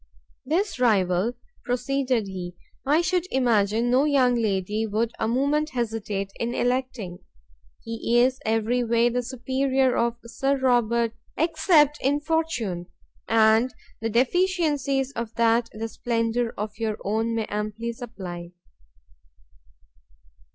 "This rival," proceeded he, "I should imagine no young lady would a moment hesitate in electing; he is every way the superior of Sir Robert except in fortune, and the deficiencies of that the splendour of your own may amply supply."